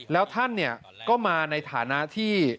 แล้วท่านก็มาในฐานะที่